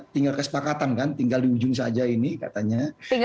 tinggal kesepakatan kan tinggal di ujung saja ini katanya